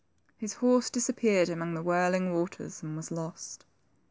His horse disappeared among the whirling waters and was lost.